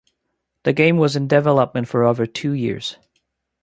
The game was in development for over two years.